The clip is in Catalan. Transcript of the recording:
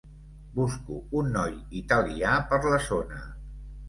Busco un noi italià per la zona.